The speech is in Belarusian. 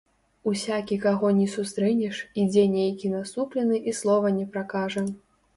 Усякі, каго ні сустрэнеш, ідзе нейкі насуплены і слова не пракажа.